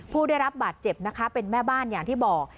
ผู้ได้รับบาดเจ็บนะคะเป็นแม่บ้านอย่างที่บอก